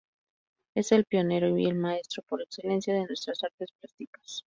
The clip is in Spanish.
Es el pionero y el maestro por excelencia de nuestras artes plásticas.